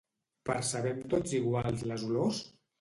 Percebem tots iguals les olors?